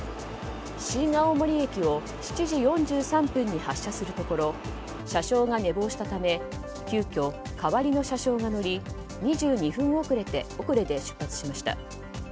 新青森駅を７時４３分に発車するところ車掌が寝坊したため急きょ代わりの車掌が乗り２２分遅れで出発しました。